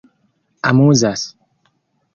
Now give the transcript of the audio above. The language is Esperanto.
amuzas